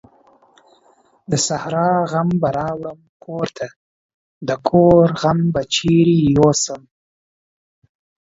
د سارا غم به راوړم کورته ، دکور غم به چيري يو سم ؟.